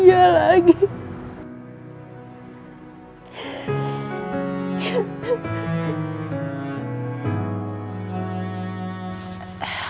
nah aku pengen mungkin k okey